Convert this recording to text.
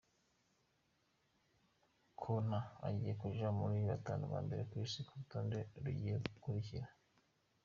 Konta agiye kuja muri batanu ba mbere kw'isi ku rutonde rugiye gukurikira.